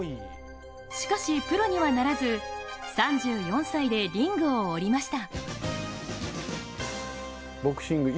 しかしプロにはならず３４歳でリングを降りました。